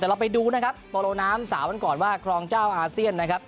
แต่เราไปดูนะครับโปโลน้ำสาวกันก่อนว่าครองเจ้าอาเซียนนะครับ